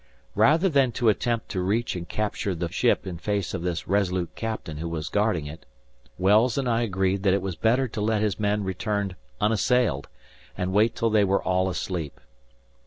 Rather than to attempt to reach and capture the ship in face of this resolute Captain who was guarding it, Wells and I agreed that it was better to let his men return unassailed, and wait till they were all asleep.